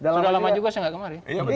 sudah lama juga saya nggak kemari